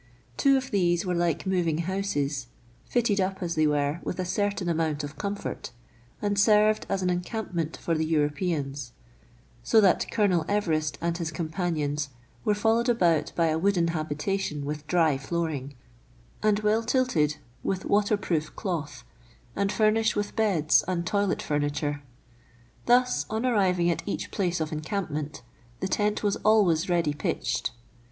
Two of these were like moving houses, fitted up as they were with a certain amount of comfort, and served as an encampment for the Europeans ; so that Colonel Everest and his companions were followed about by a wooden habitation with dry flooring, and well tilted with water 50 meridiana; the adventures of proof cloth, and furnished with beds and toilet furniture Thus, on arriving at each place of encampment, the tent was always ready pitched.